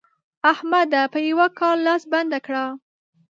احمده! په یوه کار لاس بنده کړه.